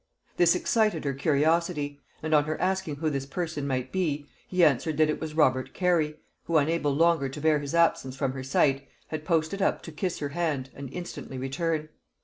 This excited her curiosity; and on her asking who this person might be, he answered that it was Robert Cary, who, unable longer to bear his absence from her sight, had posted up to kiss her hand and instantly return.